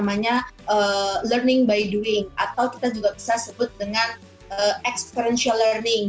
namanya learning by doing atau kita juga bisa sebut dengan experiential learning